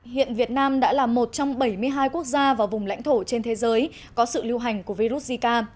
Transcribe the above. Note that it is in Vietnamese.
hiện việt nam đã là một trong bảy mươi hai quốc gia và vùng lãnh thổ trên thế giới có sự lưu hành của virus zika